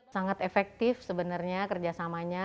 sangat efektif sebenarnya kerjasamanya